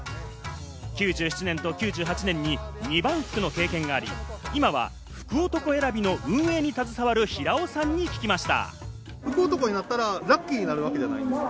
９７年と９８年に二番福の経験があり、今は福男選びの運営に携わる平尾さんに聞きました。